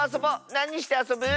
なにしてあそぶ？